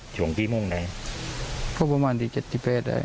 จวงกิโมงเน๋พอประมาณที่กับ๗เพศเลย